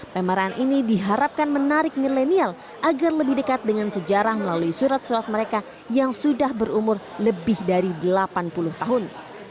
pemerahan ini diharapkan menarik milenial agar lebih dekat dengan sejarah melalui surat surat mereka yang sudah berumur lebih dari delapan puluh tahun